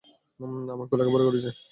আমাকেও লেখাপড়া করিয়েছে।